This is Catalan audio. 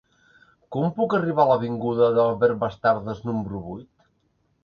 Com puc arribar a l'avinguda d'Albert Bastardas número vuit?